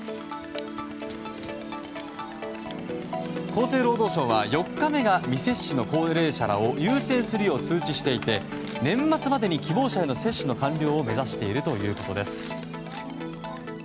厚生労働省は４回目が未接種の高齢者らを優先するよう通知していて年末までに希望者への接種の完了を目指しているということです。